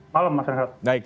selamat malam mas rizal